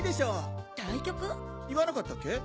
言わなかったっけ？